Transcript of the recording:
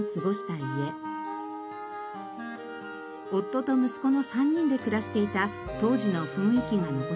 夫と息子の３人で暮らしていた当時の雰囲気が残されています。